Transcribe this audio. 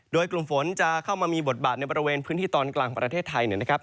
โดยกลุ่มฝนจะเข้ามามีบทบาทในบริเวณพื้นที่ตอนกลางของประเทศไทยนะครับ